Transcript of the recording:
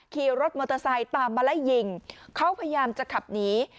ขี่รถมอเตอร์ไซค์ตามมาไล่ยิงเขาพยายามจะขับหนี